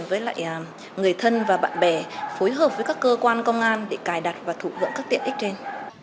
với lại người thân và bạn bè phối hợp với các cơ quan công an để cài đặt và thụ hưởng các tiện ích trên